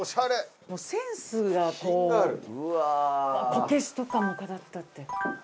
こけしとかも飾ってあって。